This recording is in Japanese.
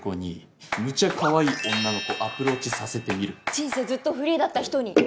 人生ずっとフリーだった人に？